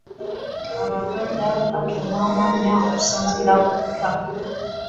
abaganda batuuma amannya okusinziira ku bikka.